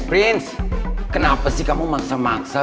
prince kenapa sih kamu maksa maksa